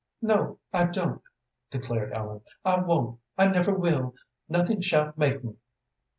"No, I don't," declared Ellen. "I won't. I never will. Nothing shall make me."